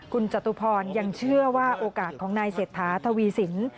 คุณจตุพรยังเชื่อว่าโอกาสของนายเศรษฐาทวีสิน